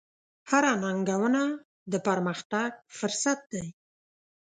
هره ننګونه د پرمختګ فرصت دی.